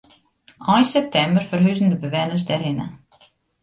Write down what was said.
Ein septimber ferhuzen de bewenners dêrhinne.